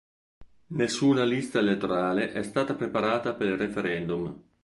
Nessuna lista elettorale è stata preparata per il referendum.